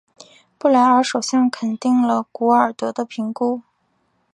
布莱尔首相肯定了古尔德的评估。